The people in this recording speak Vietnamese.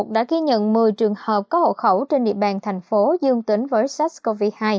đã ghi nhận một mươi trường hợp có hộ khẩu trên địa bàn thành phố dương tính với sars cov hai